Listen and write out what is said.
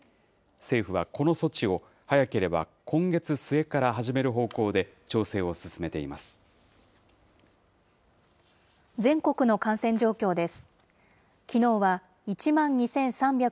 政府はこの措置を早ければ今月末から始める方向で調整を進めてい全国の感染状況です。